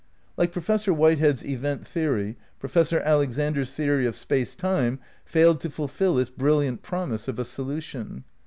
Like Professor Whitehead's event theory, Professor Alexander's theory of Space Time failed to, fulfil its brilliant promise of a solution.